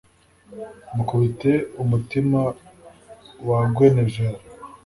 Mukubite umutima wa Guenevere